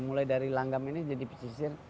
mulai dari langgam ini jadi pesisir